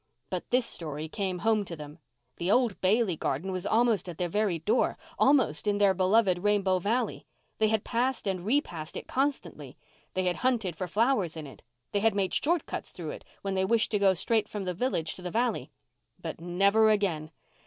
But this story came home to them. The old Bailey garden was almost at their very door—almost in their beloved Rainbow Valley. They had passed and repassed it constantly; they had hunted for flowers in it; they had made short cuts through it when they wished to go straight from the village to the valley. But never again!